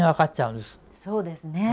そうですね。